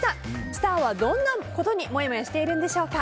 スターはどんなことにもやもやしているんでしょうか。